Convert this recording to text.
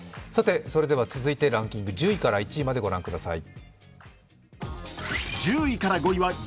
続いてランキング１０位から１位まで御覧ください。